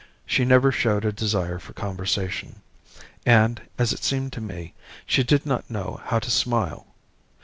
She never showed a desire for conversation, and, as it seemed to me, she did not know how to smile.